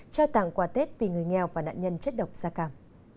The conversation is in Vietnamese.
trao tặng quà tết vì người nghèo và nạn nhân chất độc da cam